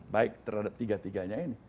baik terhadap tiga tiganya ini